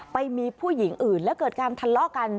ไปมีผู้หญิงอื่นแล้วเกิดการทะเลาะกัน